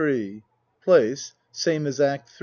Place (Same as Act III.)